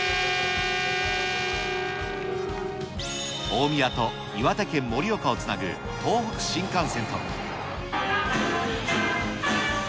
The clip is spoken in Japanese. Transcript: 大宮と岩手県盛岡をつなぐ東北新幹線と。